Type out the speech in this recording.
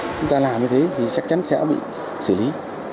chúng ta làm như thế thì chắc chắn sẽ bị xử lý